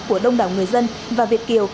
của đông đảo người dân và việt kiều